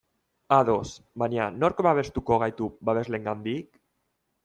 Ados, baina nork babestuko gaitu babesleengandik?